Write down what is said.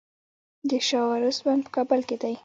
د شاه و عروس بند په کابل کې دی